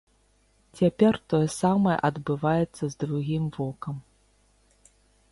Цяпер тое самае адбываецца з другім вокам.